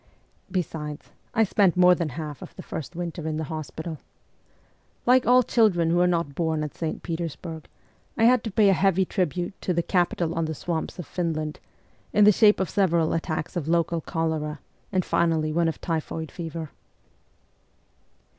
Besides, I spent more than half of the first winter in the hospital. Like all children who are not born at St. Petersburg, I had to pay a heavy tribute to ' the capital on the swamps of Finland,' in the shape of several attacks of local cholera, and finally one of typhoid fever.